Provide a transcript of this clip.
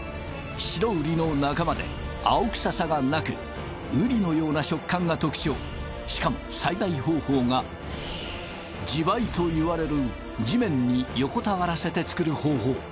白瓜の仲間で青臭さがなく瓜のような食感が特徴しかも栽培方法が地這いといわれる地面に横たわらせて作る方法